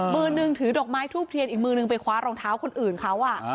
มือนึงถือดอกไม้ทูบเทียนอีกมือนึงไปคว้ารองเท้าคนอื่นเขา